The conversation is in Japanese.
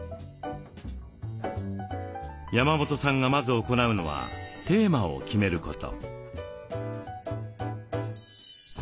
山本さんがまず行うのはテーマを決めること。